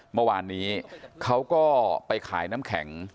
เมื่อวานนี้เขาก็ไปขายน้ำแข็ง